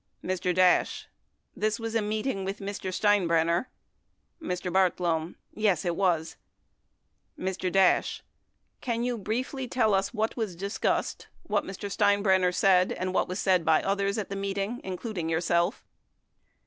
Mr. Dash. This was a meeting with Mr. Steinbrenner? Mr. Bartlome. Yes, it was. Mr. Dash. Can you briefly tell us what was discussed, what Mr. Steinbrenner said and' what was said by others at the meeting, including voiu*self